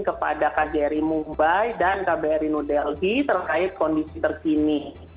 kepada kjri mumbai dan kbrnu dlg terkait kondisi terkini